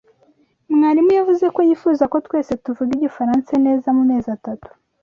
Mwarimu yavuze ko yifuza ko twese tuvuga igifaransa neza mu mezi atatu.